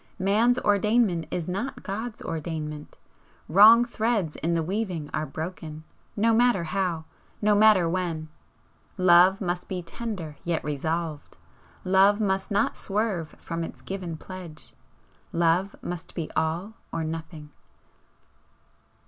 Man's ordainment is not God's ordainment! Wrong threads in the weaving are broken no matter how, no matter when! Love must be tender yet resolved! Love must not swerve from its given pledge! Love must be All or Nothing!"